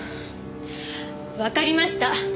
わかりました。